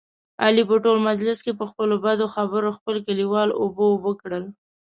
علي په ټول مجلس کې، په خپلو بدو خبرو خپل کلیوال اوبه اوبه کړل.